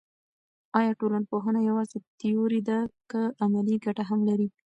آیا ټولنپوهنه یوازې تیوري ده که عملي ګټه هم لري.